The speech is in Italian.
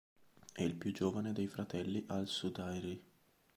È il più giovane dei fratelli al-Sudayrī.